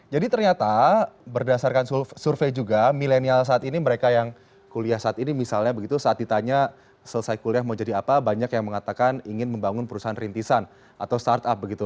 jadi ternyata berdasarkan survei juga milenial saat ini mereka yang kuliah saat ini misalnya begitu saat ditanya selesai kuliah mau jadi apa banyak yang mengatakan ingin membangun perusahaan renitisan atau startup begitu